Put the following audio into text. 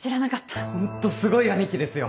ホントすごい兄貴ですよ